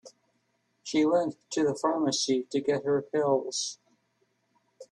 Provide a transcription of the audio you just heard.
She went to the pharmacy to get her pills.